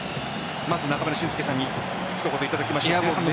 まず中村俊輔さんに一言いただきましょう。